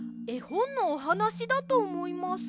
ほんのおはなしだとおもいます。